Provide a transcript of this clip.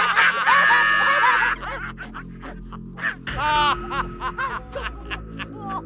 pak tolong rubuk